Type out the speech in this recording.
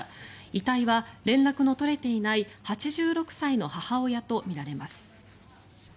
遺体は、連絡の取れていない８６歳の母親とみられます。